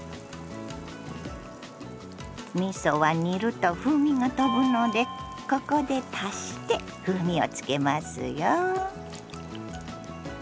みそは煮ると風味がとぶのでここで足して風味をつけますよ。